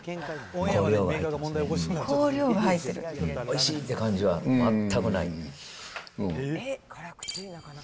うん、おいしいって感じは全くない。